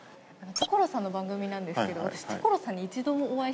所さんの番組なんですけど私。